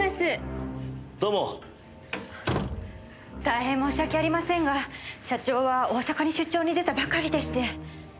大変申し訳ありませんが社長は大阪に出張に出たばかりでして。